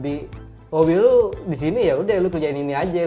hobi lu disini ya udah lu kerjain ini aja